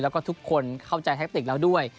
แล้วก็ทุกคนเข้าใจแทคติกแล้วด้วย